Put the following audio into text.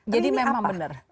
jadi ini apa